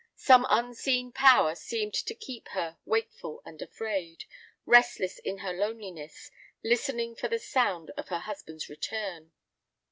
Some unseen power seemed to keep her wakeful and afraid, restless in her loneliness, listening for the sound of her husband's return.